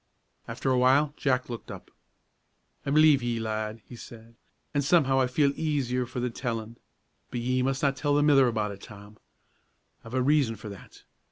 After a while Jack looked up. "I believe ye, lad," he said, "an' somehow I feel easier for the tellin'. But ye mus' na tell the mither aboot it, Tom; I've a reason for that.